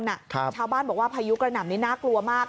ชาวบ้านบอกว่าพายุกระหน่ำนี้น่ากลัวมาก